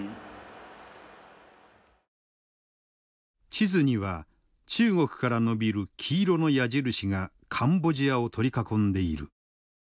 地図には中国から伸びる黄色の矢印がカンボジアを取り囲んでいる。